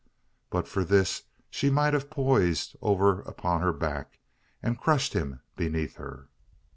But for this she might have poised over upon her back, and crushed him beneath her.